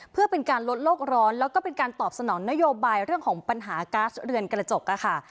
เพื่อเป็นการลดโลกร้อนแล้วก็เป็นการตอบสนองนโยบายเรื่องของปัญหาก๊าซเรือนกระจกค่ะ